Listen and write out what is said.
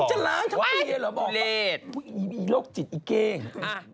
จะล้างชั้นเปียร์เหรอบอกต่ออุ๊ยอีโลกจิตอีเก้ง